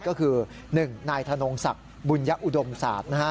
ก็คือ๑นายทานงศักดิ์บุญญาอุดมศาสตร์